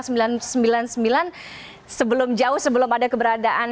sebelum jauh sebelum ada keberadaan